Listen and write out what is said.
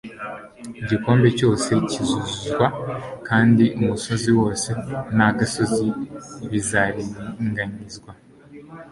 Igikombe cyose kizuzuzwa kandi umusozi wose n'agasozi bizaringanizwa,